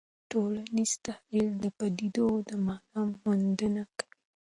ټولنیز تحلیل د پدیدو د مانا موندنه کوي.